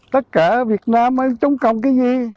tất cả việt nam mới trống còng cái gì